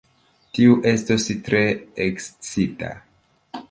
Tiu estos tre ekscita!